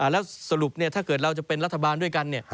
แล้วสรุปถ้าเกิดเราจะเป็นรัฐบาลด้วยกัน